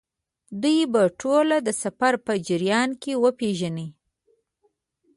دوی به ټول د سفر په جریان کې وپېژنئ.